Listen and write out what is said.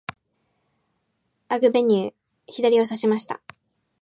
アグベニュー、左をさしました。